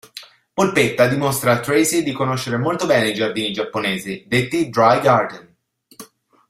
Polpetta dimostra a Tracy di conoscere molto bene i giardini giapponesi, detti 'dry garden'.